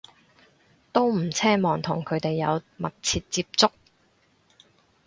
都唔奢望同佢哋有密切接觸